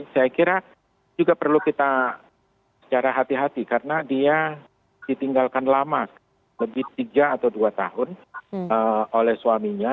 saya kira juga perlu kita secara hati hati karena dia ditinggalkan lama lebih tiga atau dua tahun oleh suaminya